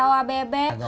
pak bikin lepaskan